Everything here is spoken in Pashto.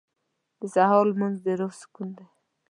• د سهار لمونځ د روح سکون دی.